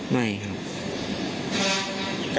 ไม่ครับ